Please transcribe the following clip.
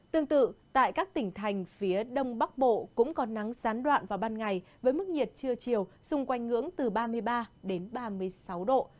tương tự tại các tỉnh thành phía đông bắc bộ cũng có nắng gián đoạn vào ban ngày với mức nhiệt trưa chiều xung quanh ngưỡng từ ba mươi ba đến ba mươi sáu độ